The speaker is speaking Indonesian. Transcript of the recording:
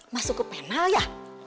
masuk ke penal ya